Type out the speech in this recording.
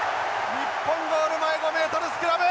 日本ゴール前５ｍスクラム！